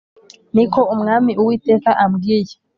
Ni ko Umwami Uwiteka ambwiye